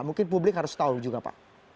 mungkin publik harus tahu juga pak